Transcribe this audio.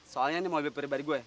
soalnya ini mobil pribadi gue